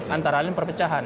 antara lain perpecahan